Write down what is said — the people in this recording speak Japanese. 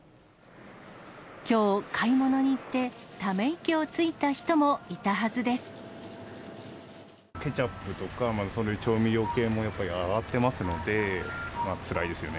きょう、買い物に行って、ケチャップとか、そういう調味料系も上がってますので、つらいですよね。